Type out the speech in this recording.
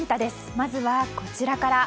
まずはこちらから。